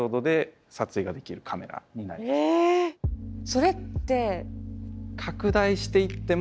それって？